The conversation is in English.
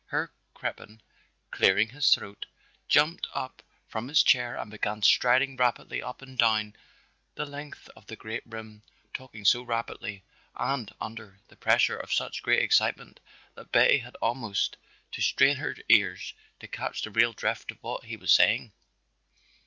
Herr Crippen, clearing his throat, jumped up from his chair and began striding rapidly up and down the length of the great room, talking so rapidly and under the pressure of such great excitement that Betty had almost to strain her ears to catch the real drift of what he was saying.